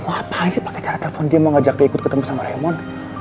mau apaan sih cara telfon dia mau ajak dia ikut ketemu sama remon